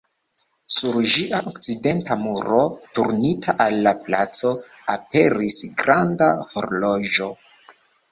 Sur ĝia okcidenta muro, turnita al la placo, aperis granda horloĝo.